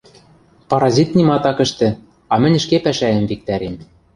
Паразит нимат ак ӹштӹ, а мӹнь ӹшке пӓшӓэм виктӓрем.